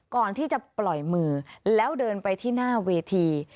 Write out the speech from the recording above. ก่อนที่จะปล่อยมือแล้วเดินไปที่หน้าเวที